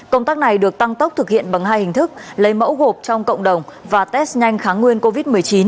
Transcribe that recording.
công tác này được tăng tốc thực hiện bằng hai hình thức lấy mẫu gộp trong cộng đồng và test nhanh kháng nguyên covid một mươi chín